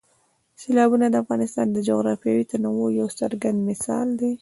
سیلابونه د افغانستان د جغرافیوي تنوع یو څرګند مثال دی.